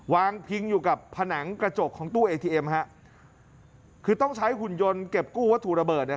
วางพิงอยู่กับผนังกระจกของตู้เอทีเอ็มฮะคือต้องใช้หุ่นยนต์เก็บกู้วัตถุระเบิดเนี่ย